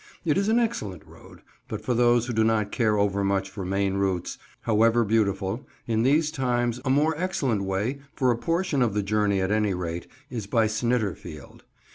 It is an excellent road, but for those who do not care overmuch for main routes, however beautiful, in these times, a more excellent way, for a portion of the journey at any rate, is by Snitterfield.